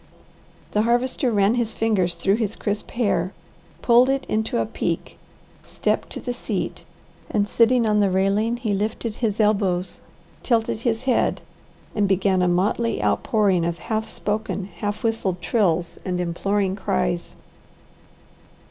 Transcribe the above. The Harvester ran his fingers through his crisp hair, pulled it into a peak, stepped to the seat and sitting on the railing, he lifted his elbows, tilted his head, and began a motley outpouring of half spoken, half whistled trills and imploring cries.